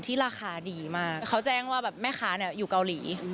ที่ราคาดีมากเขาแจ้งว่าแบบแม่คะอยู่เกาหลี